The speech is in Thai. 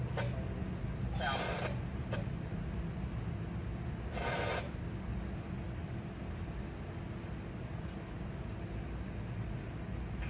สวัสดีครับ